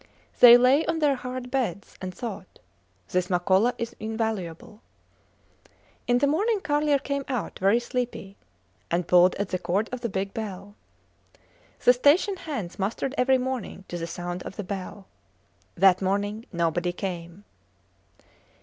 They lay on their hard beds and thought: This Makola is invaluable. In the morning Carlier came out, very sleepy, and pulled at the cord of the big bell. The station hands mustered every morning to the sound of the bell. That morning nobody came.